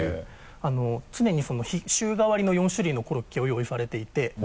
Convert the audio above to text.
常に週替わりの４種類のコロッケを用意されていて。